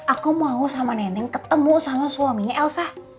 aku mau sama nenek ketemu sama suaminya elsa